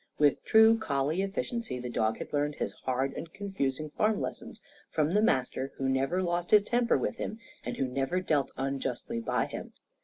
With true collie efficiency, the dog had learned his hard and confusing farm lessons from the master, who never lost his temper with him and who never dealt unjustly by him.